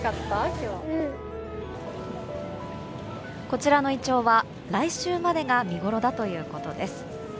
こちらのイチョウは来週までが見ごろだということです。